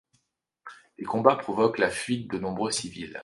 Les combats provoquent la fuite de nombreux civils.